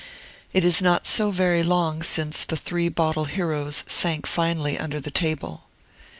It is not so very long since the three bottle heroes sank finally under the table.